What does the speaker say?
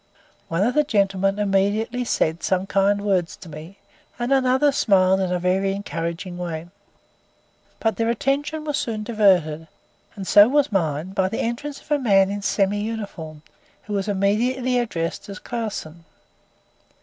One of the gentlemen immediately said some kind words to me, and another smiled in a very encouraging way. But their attention was soon diverted, and so was mine by the entrance of a man in semi uniform, who was immediately addressed as Clausen.